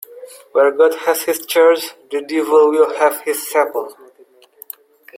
Where God has his church, the devil will have his chapel.